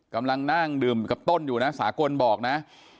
กำลังนั่งดื่มกับต้นอยู่นะสากลบอกนะ